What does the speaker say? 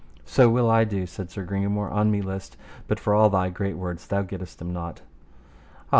So will I do, said Sir Gringamore, an me list, but for all thy great words thou gettest him not. Ah!